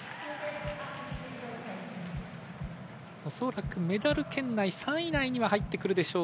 おそらくメダル圏の３位以内には入ってくるでしょう。